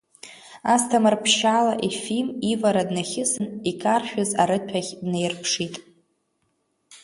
Асҭамыр ԥшьала Ефим ивара днахьысын икаршәыз арыҭәа ахь днеирԥшит.